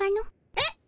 えっ？